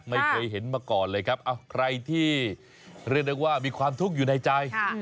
ไม่เคยเห็นมาก่อนเลยครับใครที่เรียกได้ว่ามีความทุกข์อยู่ในใจ